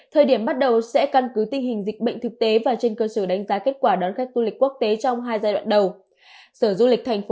thời điểm bắt đầu sẽ căn cứ tình hình dịch bệnh thực tế và trên cơ sở đánh giá kết quả đón khách du lịch quốc tế trong hai giai đoạn đầu